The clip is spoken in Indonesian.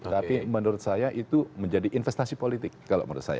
tapi menurut saya itu menjadi investasi politik kalau menurut saya